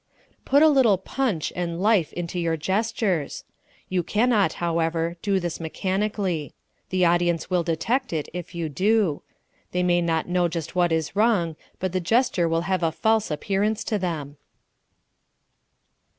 Put a little "punch" and life into your gestures. You can not, however, do this mechanically. The audience will detect it if you do. They may not know just what is wrong, but the gesture will have a false appearance to them.